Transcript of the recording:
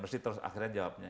mesti terus akhirnya jawabnya